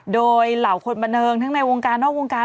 โดยเหล่าคนบันเทิงทั้งในวงการนอกวงการ